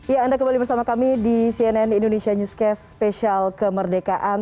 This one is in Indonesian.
ya anda kembali bersama kami di cnn indonesia newscast spesial kemerdekaan